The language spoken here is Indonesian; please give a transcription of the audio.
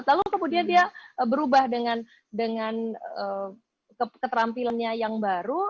lalu kemudian dia berubah dengan keterampilannya yang baru